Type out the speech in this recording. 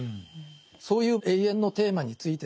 そういう永遠のテーマについてですね